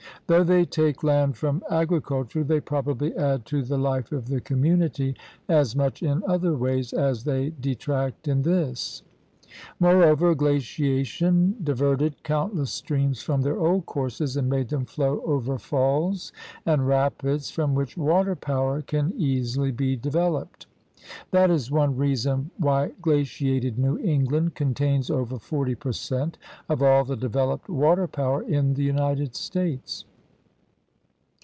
Though they take land from agriculture, they probably add to the life of the community as much in other ways as they detract in this. Moreover glaciation di verted countless streams from their old courses and made them flow over falls and rapids from which water power can easily be developed. That is one 56 THE RED MAN'S CONTINENT reason why glaciated New England contains over forty per cent of all the developed water power in the United States.